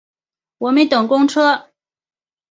我们等公车